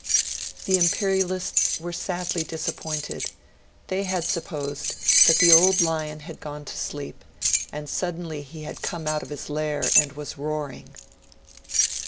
The imperialists were sadly disappointed. They had supposed that the old lion had gone to sleep, and suddenly he had come out of his lair, and was roaring.